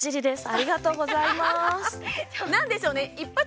ありがとうございます。